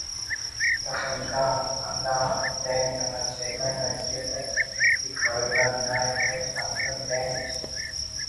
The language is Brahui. تخنگا ہندا بینٹ انا چیئرمین نا حیثیت اٹ ای کاریم نا بناءِ کریٹ ہندن بینٹ